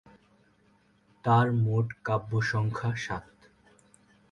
তাঁর মোট কাব্যসংখ্যা সাত।